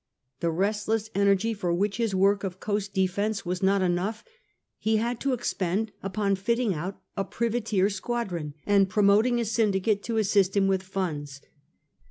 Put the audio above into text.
The restless energy for which his work of coast defence was not enough, he had to expend upon fitting out a privateer squadron and promoting a syndicate to assist him with funds.